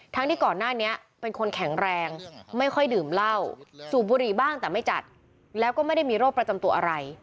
ที่ก่อนหน้านี้เป็นคนแข็งแรงไม่ค่อยดื่มเหล้าสูบบุหรี่บ้างแต่ไม่จัดแล้วก็ไม่ได้มีโรคประจำตัวอะไร